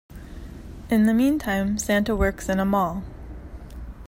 In the meantime, Santa works in a mall.